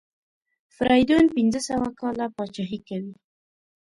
فریدون پنځه سوه کاله پاچهي کوي.